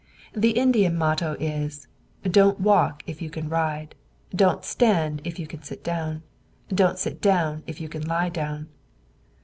The Indian motto is: "Don't walk if you can ride; don't stand if you can sit down; don't sit down if you can lie down."